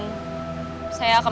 saya akan mengunduhmu